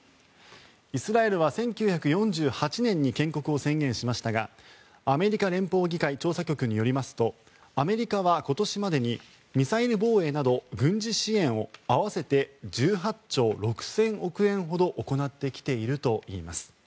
イスラエルは１９４８年に建国を宣言しましたがアメリカ連邦議会調査局によりますとアメリカは今年までにミサイル防衛など軍事支援を、合わせて１８兆６０００億円ほど行ってきているといいます。